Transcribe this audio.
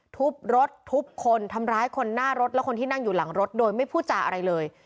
ทุบรถทุบคนทำร้ายคนหน้ารถและคนที่นั่งอยู่หลังรถโดยไม่พูดจาอะไรเลย